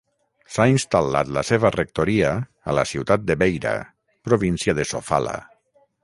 S'ha instal·lat la seva rectoria a la ciutat de Beira, província de Sofala.